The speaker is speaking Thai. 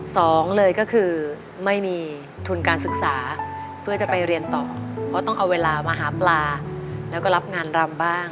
สองเลยก็คือไม่มีทุนการศึกษาเพื่อจะไปเรียนต่อเพราะต้องเอาเวลามาหาปลาแล้วก็รับงานรำบ้าง